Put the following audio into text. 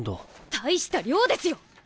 大した量ですよ！